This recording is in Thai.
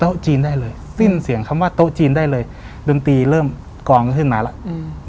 จีนได้เลยสิ้นเสียงคำว่าโต๊ะจีนได้เลยดนตรีเริ่มกองขึ้นมาแล้วอืม